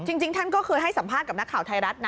จริงท่านก็เคยให้สัมภาษณ์กับนักข่าวไทยรัฐนะ